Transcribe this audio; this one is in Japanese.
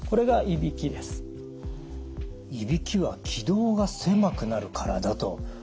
いびきは気道が狭くなるからだと。